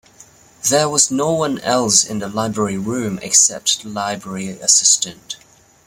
There was no one else in the library room except the library assistant.